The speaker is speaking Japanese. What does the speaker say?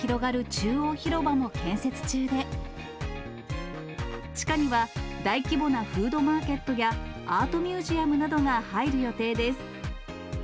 中央広場も建設中で、地下には大規模なフードマーケットや、アートミュージアムなどが入る予定です。